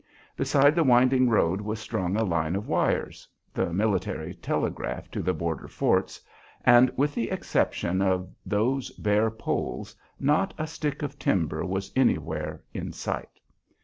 Beside the winding road was strung a line of wires, the military telegraph to the border forts, and with the exception of those bare poles not a stick of timber was anywhere in sight.